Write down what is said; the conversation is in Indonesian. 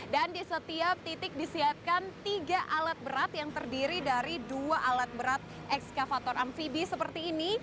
di setiap titik disiapkan tiga alat berat yang terdiri dari dua alat berat ekskavator amfibi seperti ini